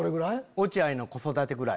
落合の子育てぐらい。